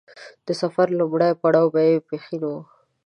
د سفر لومړی پړاو به يې پښين و.